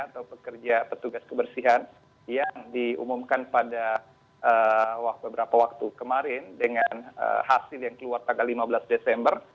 atau petugas kebersihan yang diumumkan pada beberapa waktu kemarin dengan hasil yang keluar tanggal lima belas desember